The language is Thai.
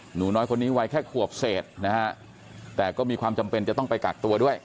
หนูน้อยคนนี้วัยแค่ขวบเศษนะฮะแต่ก็มีความจำเป็นจะต้องไปกักตัวด้วย